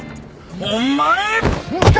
お前！